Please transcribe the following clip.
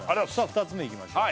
２つ目いきましょう